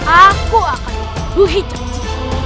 aku akan buhi janji